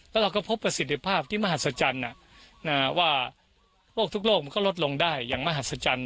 แล้วเราก็พบประสิทธิภาพที่มหัศจรรย์ว่าโรคทุกโลกมันก็ลดลงได้อย่างมหัศจรรย์